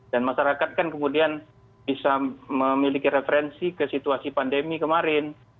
dan masyarakat kan kemudian bisa memiliki referensi ke situasi pandemi kemarin